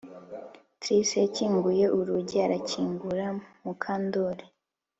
Trix yakinguye urugi arakingura Mukandoli